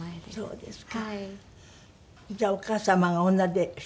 そうです。